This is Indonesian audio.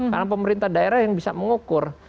karena pemerintah daerah yang bisa mengukur